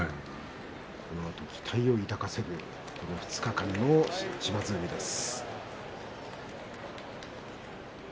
このあと期待を抱かせる２日間の島津海です。